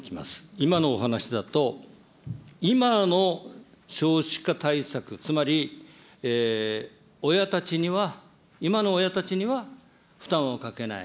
今のお話だと、今の少子化対策、つまり親たちには、今の親たちには負担をかけない。